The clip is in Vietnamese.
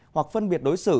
hoặc phân biệt đối xử